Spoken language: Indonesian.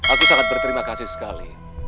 aku sangat berterima kasih sekali